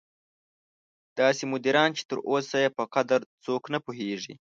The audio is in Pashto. داسې مدیران چې تر اوسه یې په قدر څوک نه پوهېږي.